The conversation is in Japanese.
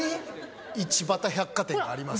一畑百貨店があります。